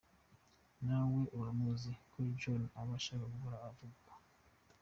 Nawe uramuzi K-John aba ashaka guhora avugwa!”.